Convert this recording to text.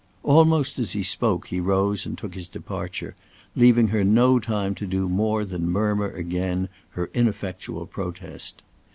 Almost as he spoke, he rose and took his departure, leaving her no time to do more than murmur again her ineffectual protest.